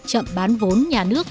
chậm bán vốn nhà nước